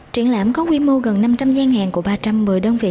triển lãm có quy mô gần năm trăm linh gian hàng của ba trăm một mươi đơn vị